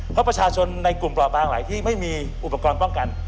เพราะประชาชนในกลุ่มปล่อบางหลายที่ไม่มีอุปกรณ์ป้องกัน